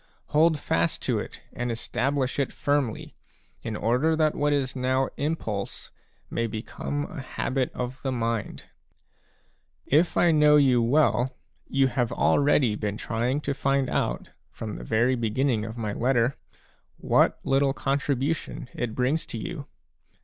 Hold fast to it and establish it firmly, in order that what is now impulse may become a habit of the mind. If I know you well, you have already been trying to find out, from the very beginning of my letter, what little contribution it brings to you.